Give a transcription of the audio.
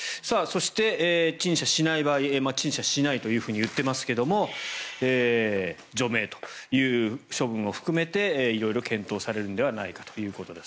陳謝しない場合陳謝しないと言っていますが除名という処分を含めて色々検討されるのではないかということです。